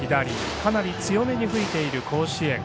かなり強めに吹いている甲子園。